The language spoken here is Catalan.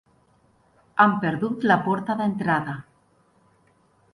Han perdut la porta d'entrada.